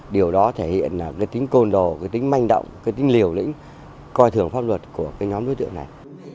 điều đó thể hiện tính côn đồ tính manh động tính liều lĩnh coi thường pháp luật của nhóm đối tượng này